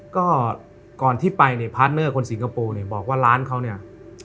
ก็ก่อนที่ไปเนี่ยพาร์ทเนอร์คนสิงคโปร์เนี่ยบอกว่าร้านเขาเนี่ย